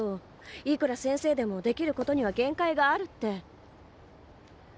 いくら先生でもできることには限界があるって。